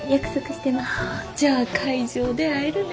じゃあ会場で会えるね。